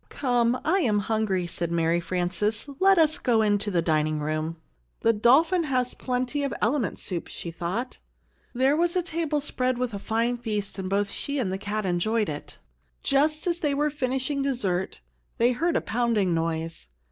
"Come, I am hungry!" said Mary Frances. "Let us go into the dining room." "The dolphin has plenty of element soup," she thought. There was the table spread with a fine feast, and both she and the cat enjoyed it. Just as they were finishing dessert, they heard a pounding noise.